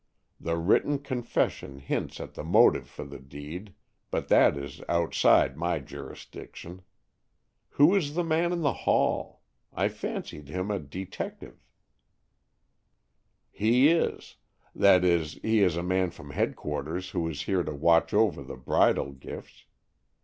The written confession hints at the motive for the deed, but that is outside my jurisdiction. Who is the man in the hall? I fancied him a detective." "He is; that is, he is a man from headquarters who is here to watch over the bridal gifts.